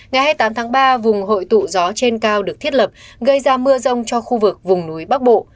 ngày hai mươi tám tháng ba vùng hội tụ gió trên cao được thiết lập gây ra mưa rông cho khu vực vùng núi bắc bộ